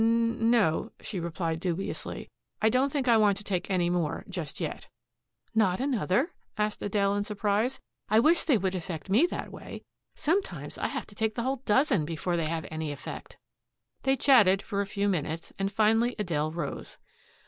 "N no," she replied dubiously, "I don't think I want to take any more, just yet." "Not another?" asked Adele in surprise. "I wish they would affect me that way. Sometimes I have to take the whole dozen before they have any effect." They chatted for a few minutes, and finally Adele rose.